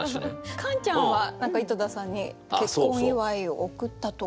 カンちゃんは何か井戸田さんに結婚祝を贈ったとか？